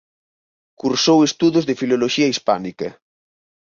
Cursou estudos de Filoloxía Hispánica.